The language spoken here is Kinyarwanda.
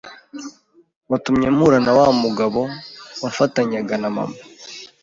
watumye mpura na wa mu gabo wamfatanyaga na mama